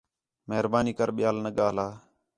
مہربانی کر ٻیاں نہ ڳاھلا